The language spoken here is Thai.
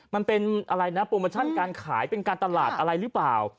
มันเป็นอะไรนะโปรโมชั่นการขายเป็นการตลาดอะไรหรือเปล่า